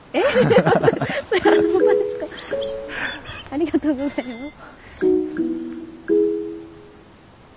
ありがとうございます。